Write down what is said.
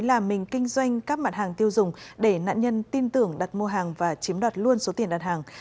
làm mình kinh doanh các mặt hàng tiêu dùng để nạn nhân tin tưởng đặt mua hàng và chiếm đoạt luôn số tiền đặt hàng